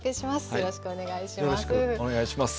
よろしくお願いします。